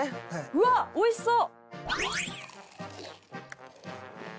うわっおいしそう！